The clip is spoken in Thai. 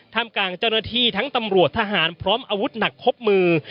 กลางเจ้าหน้าที่ทั้งตำรวจทหารพร้อมอาวุธหนักครบมือ